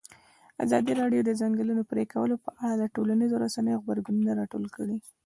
ازادي راډیو د د ځنګلونو پرېکول په اړه د ټولنیزو رسنیو غبرګونونه راټول کړي.